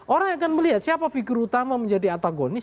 orang akan melihat siapa figur utama menjadi atagonis